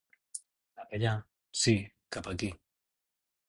Capellà... Sí, cap aquí.